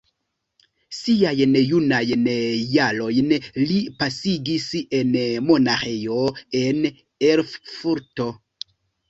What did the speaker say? Siajn junajn jarojn li pasigis en monaĥejo en Erfurto.